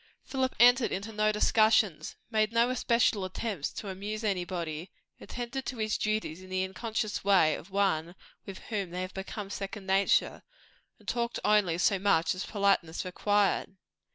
Philip entered into no discussions, made no special attempts to amuse anybody, attended to his duties in the unconscious way of one with whom they have become second nature, and talked only so much as politeness required.